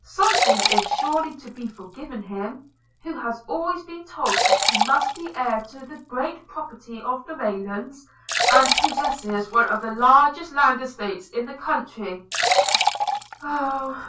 Something is surely to be forgiven him, who has always been told that he must be heir to the great property of the Raylands, and possess one of the largest landed estates in the country.'